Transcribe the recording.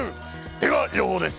では予報です。